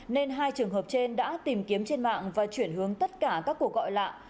nên hai trường hợp trên đã tìm kiếm trên mạng và chuyển hướng tất cả các cuộc gọi lạ